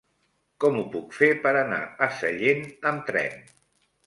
Com ho puc fer per anar a Sallent amb tren?